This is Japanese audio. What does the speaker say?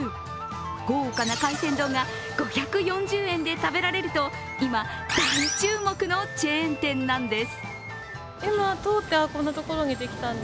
豪華な海鮮丼が５４０円で食べられると今大注目のチェーン店なんです。